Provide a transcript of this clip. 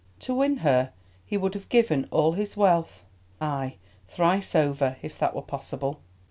To win her he would have given all his wealth, ay, thrice over, if that were possible.